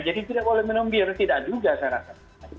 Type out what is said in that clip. jadi tidak boleh menyembir tidak juga saya rasa